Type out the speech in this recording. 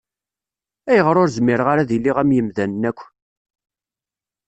Ayɣer ur zmireɣ ara ad iliɣ am yimdanen akk?